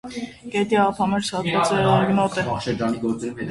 Գետի ափամերձ հատվածը եղեգնուտ է։